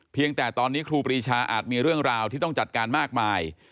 แต่ตอนนี้ครูปรีชาอาจมีเรื่องราวที่ต้องจัดการมากมาย